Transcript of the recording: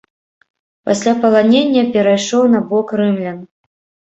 Пасля паланення перайшоў на бок рымлян.